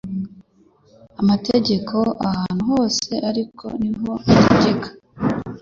Amategeko ahantu hose ariko niho ategeka